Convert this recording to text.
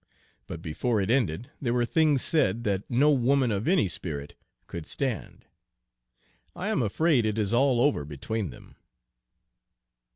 But before it ended there were things said that no woman of any spirit could stand. I am afraid it is all over between them."